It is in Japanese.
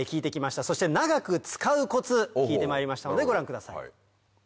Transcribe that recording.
そして長く使うコツ聞いてまいりましたのでご覧ください。